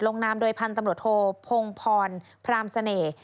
นามโดยพันธุ์ตำรวจโทพงพรพรามเสน่ห์